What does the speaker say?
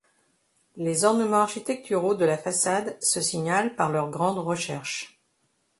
Les ornements architecturaux de la façade se signalent par leur grande recherche.